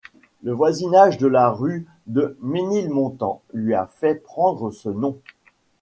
Le voisinage de la rue de Ménilmontant lui a fait prendre ce nom.